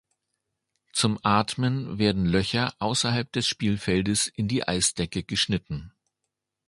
Zum Atmen werden Löcher außerhalb des Spielfeldes in die Eisdecke geschnitten.